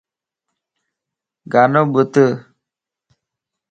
گانو ٻڌ